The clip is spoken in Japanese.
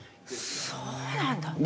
そうなんだ。